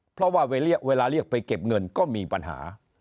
เพราะว่าเวลาเรียกไปเก็บเงินก็มีปัญหา